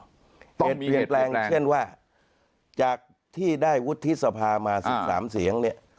เหตุเปลี่ยนแปลงเช่นว่าจากที่ได้วุฒิษภามา๑๓เสียง